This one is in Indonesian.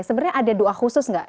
sebenarnya ada doa khusus nggak